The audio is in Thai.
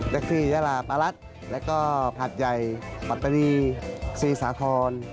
เต็กที่ยาลาปรัสแล้วก็ผัดใหญ่ปัตตรีซีสาคอน